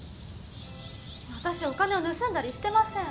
わたしお金をぬすんだりしてません。